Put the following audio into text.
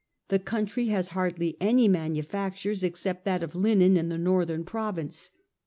The country has hardly any manufactures except that of linen in the northern province.